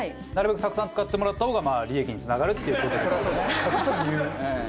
なるべくたくさん使ってもらった方が利益につながるっていう事ですもんね。